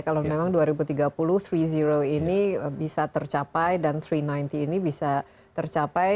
kalau memang dua ribu tiga puluh tiga zero ini bisa tercapai dan tiga sembilan puluh ini bisa tercapai